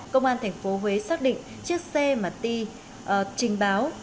công an thành phố huế xác định chiếc xe mà ti trình báo